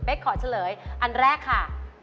ขอเฉลยอันแรกค่ะ